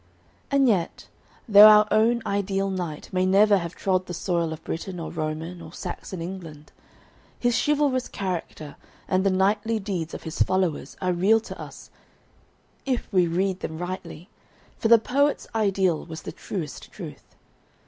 And yet, though our "own ideal knight" may never have trod the soil of Britain or Roman or Saxon England, his chivalrous character and the knightly deeds of his followers are real to us, if we read them rightly, for "the poet's ideal was the truest truth."